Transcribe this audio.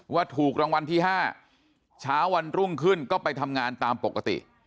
ว่าถูกรางวัลที่๕เช้าวันรุ่งขึ้นก็ไปทำงานตามปกติ